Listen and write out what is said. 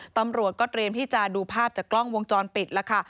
ตำรวจก็เตรียมที่จะดูภาพจากกล้องวงจรปิดแล้วค่ะ